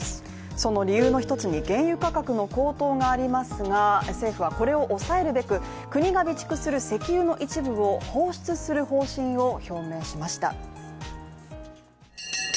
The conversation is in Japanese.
その理由の一つに、原油価格の高騰がありますが政府はこれを抑えるべく国が備蓄する石油の一部を放出する方針を表明しました。